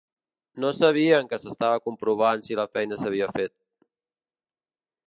No sabien que s’estava comprovant si la feina s’havia fet.